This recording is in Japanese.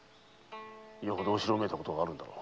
よほど後ろめたいことがあるのだろう。